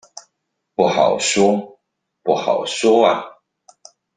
不好說，不好說阿